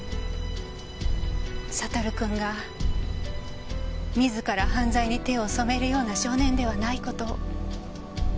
サトル君が自ら犯罪に手を染めるような少年ではない事を。